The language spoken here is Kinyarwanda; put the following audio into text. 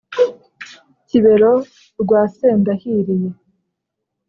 -kibero rwa sendahiriye,